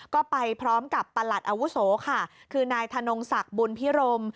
ก็ไปพร้อมกับประหลัดอาวุโสค่ะคือนายธนงศักดิ์บุญพิรม